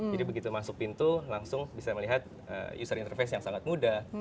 jadi begitu masuk pintu langsung bisa melihat user interface yang sangat mudah